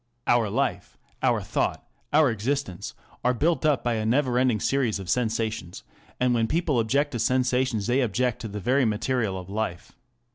Our life, our thought, our existence, are built up by a never ending series of sensations, and when people object to sensations they object to the very material of life.